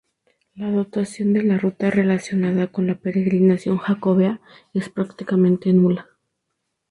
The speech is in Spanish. La dotación de la ruta relacionada con la peregrinación jacobea es prácticamente nula.